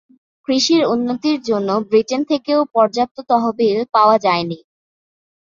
কৃষির উন্নতির জন্য ব্রিটেন থেকেও পর্যাপ্ত তহবিল পাওয়া যায় নি।